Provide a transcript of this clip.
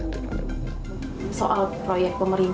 soal proyek pemerintah pak